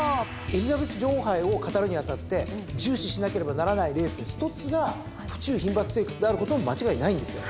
エリザベス女王杯を語るにあたって重視しなければならないレースの一つが府中牝馬ステークスであることは間違いないんですよ。